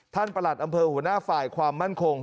ประหลัดอำเภอหัวหน้าฝ่ายความมั่นคง